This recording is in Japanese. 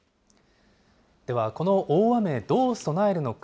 では、この大雨、どう備えるのか。